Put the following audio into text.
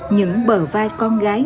những bờ vai con gái